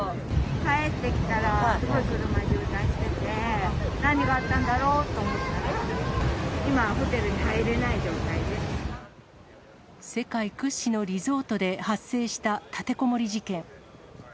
帰ってきたら、すごい車渋滞してて、何があったんだろうと思ったら、今、ホテル世界屈指のリゾートで発生した立てこもり事件。